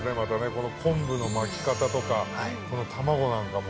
この昆布の巻き方とかこの玉子なんかも。